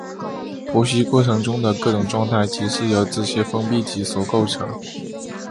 剖析过程中的各种状态即是由这些封闭集所构成。